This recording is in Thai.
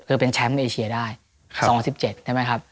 คือเป็นแชมป์เอเชียได้๒๐๑๗ใช่ไหมครับ